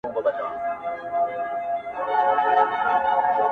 • کډه وکړه هغه ښار ته چي آباد سې,